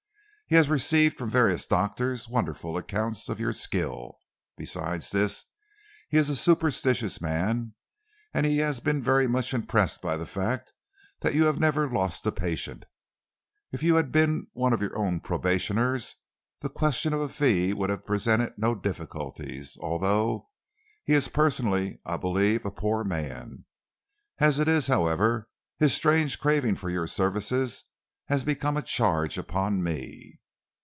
He has received from various doctors wonderful accounts of your skill. Besides this, he is a superstitious man, and he has been very much impressed by the fact that you have never lost a patient. If you had been one of your own probationers, the question of a fee would have presented no difficulties, although he personally is, I believe, a poor man. As it is, however, his strange craving for your services has become a charge upon me."